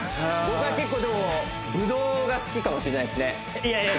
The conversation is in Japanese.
僕は結構でもぶどうが好きかもしれないですねいやいや